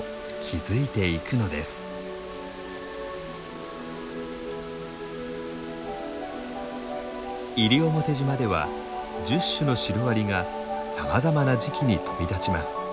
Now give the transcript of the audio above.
西表島では１０種のシロアリがさまざまな時期に飛び立ちます。